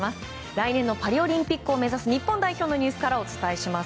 来年のパリオリンピックを目指す日本代表のニュースからお伝えします。